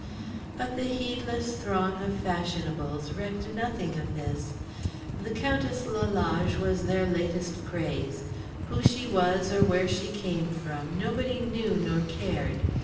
But the heedless throng of fashionables recked nothing of this. The Countess Lalage was their latest craze. Who she was or where she came from nobody knew nor cared.